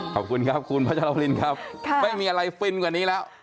ขอบคุณครับคุณพัชรวรินครับไม่มีอะไรฟินกว่านี้แล้ว